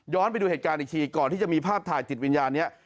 ไปดูเหตุการณ์อีกทีก่อนที่จะมีภาพถ่ายจิตวิญญาณนี้